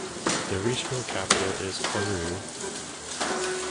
The regional capital is Khorugh.